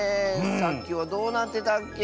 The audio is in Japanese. さっきはどうなってたっけ？